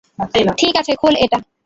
ঠিক আছে, খোল এটা।